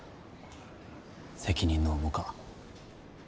責任の重か。